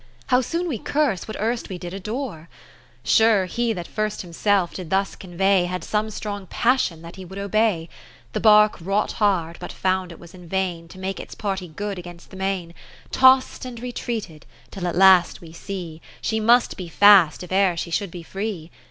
How soon we curse what erst we did adore. 30 Sure he that first himself did thus convey, Had some strong passion that he would obey. The barque wrought hard, but found it was in vain To make its party good against the main, Toss'd and retreated, till at last we see She must be fast if e'er she should be free.